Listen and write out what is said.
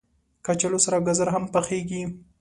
کچالو سره ګازر هم پخېږي